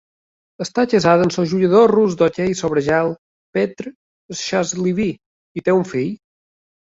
Està casada amb el jugador rus d'hoquei sobre gel Petr Schastlivy i té un fill.